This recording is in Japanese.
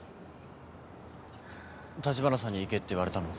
立花さんに行けって言われたの？